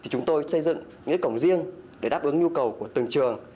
chúng tôi xây dựng những cổng riêng để đáp ứng nhu cầu của từng trường